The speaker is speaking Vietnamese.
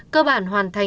cơ bản hoàn thành